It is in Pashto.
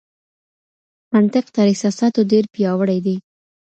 منطق تر احساساتو ډېر پياوړی دی.